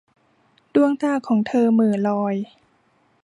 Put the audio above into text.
ดวงตาของเธอเหม่อลอย